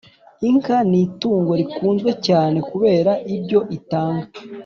Inka ni itungo rikunzwe cyane kubera ibyo itanga